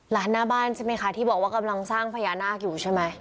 หน้าบ้านใช่ไหมคะที่บอกว่ากำลังสร้างพญานาคอยู่ใช่ไหม